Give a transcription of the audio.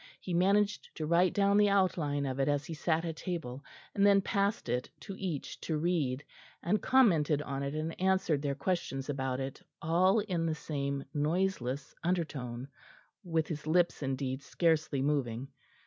He managed to write down the outline of it as he sat at table, and then passed it to each to read, and commented on it and answered their questions about it, all in the same noiseless undertone, with his lips indeed scarcely moving.